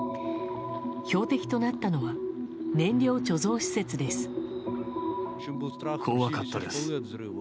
標的となったのは燃料貯蔵施設です。